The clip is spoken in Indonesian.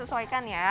kita sesuaikan ya